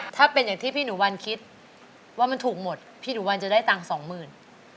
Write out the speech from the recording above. ถ้าเป็นอย่างที่พี่หนูวันคิดว่ามันถูกหมดพี่หนูวันจะได้ตังค์สองหมื่น